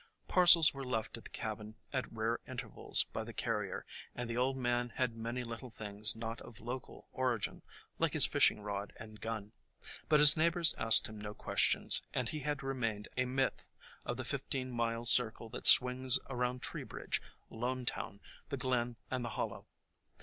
Par cels were left at the cabin at rare intervals by the carrier, and the old man had many little things not of local origin, like his fishing rod and gun. But his neighbors asked him no questions, and he had remained a myth of the fifteen mile circle that swings around Tree bridge, Lonetown, the Glen and the Hollow.